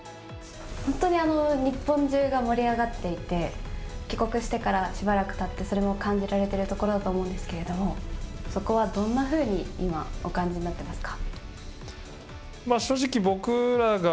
本当に日本中が盛り上がっていて、帰国してからしばらくたってそれも感じられているところだと思うんですけれども、そこはどんなふうに今、お感じになっていますか。